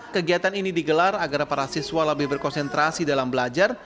kegiatan ini digelar agar para siswa lebih berkonsentrasi dalam belajar